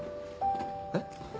えっ？